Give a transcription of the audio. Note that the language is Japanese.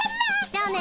じゃあね。